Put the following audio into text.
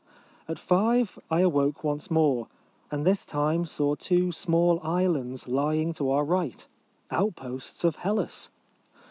At five I awoke once more, and this time saw two small islands lying to our right — outposts of Hellas